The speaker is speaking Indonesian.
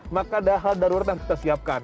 maka ada hal darurat harus kita siapkan